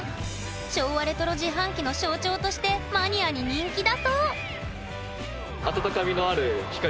昭和レトロ自販機の象徴としてマニアに人気だ